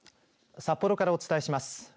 札幌からお伝えします。